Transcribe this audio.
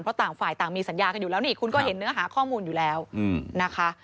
เพราะต่างฝ่ายต่างมีสัญญากันอยู่แล้วนี่คุณก็เห็นเนื้อหาข้อมูลอยู่แล้วนะคะ